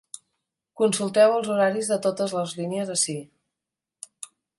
Consulteu els horaris de totes les línies ací.